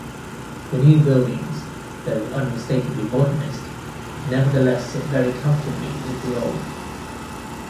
The new buildings, though unmistakably Modernist, nevertheless sit very comfortably with the old.